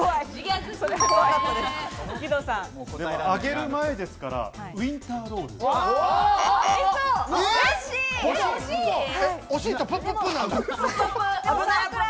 揚げる前ですから、ウインタ惜しい。